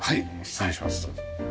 失礼します。